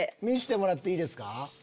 見せてもらっていいですか？